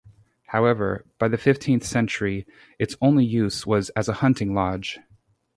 However, by the fifteenth century its only use was as a hunting lodge.